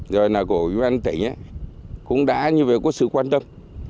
rồi là của các ngành tỉnh cũng đã như vậy có sự quan tâm